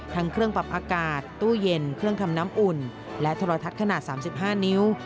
ทั้งเครื่องปรับอากาศตู้เย็นเครื่องทำน้ำอุ่นและโทรทัศน์ขนาด๓๕นิ้ว